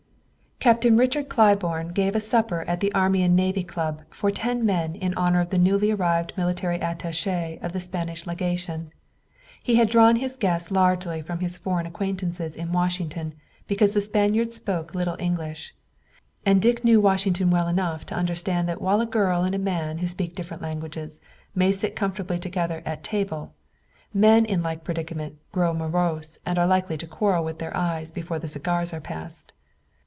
Captain Richard Claiborne gave a supper at the Army and Navy Club for ten men in honor of the newly arrived military attaché of the Spanish legation. He had drawn his guests largely from his foreign acquaintances in Washington because the Spaniard spoke little English; and Dick knew Washington well enough to understand that while a girl and a man who speak different languages may sit comfortably together at table, men in like predicament grow morose and are likely to quarrel with their eyes before the cigars are passed.